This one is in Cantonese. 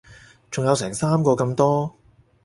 仲有成三個咁多